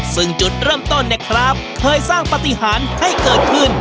ซึ่งจุดเริ่มต้นเนี่ยครับเคยสร้างปฏิหารให้เกิดขึ้น